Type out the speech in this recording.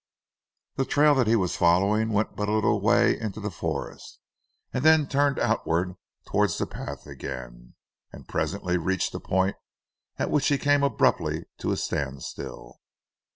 The trail that he was following went but a little way into the forest, and then turned outward towards the path again, and presently reached a point at which he came abruptly to a standstill.